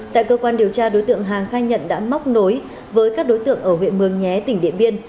tại cơ quan điều tra đối tượng hàng khai nhận đã móc nối với các đối tượng ở huyện mường nhé tỉnh điện biên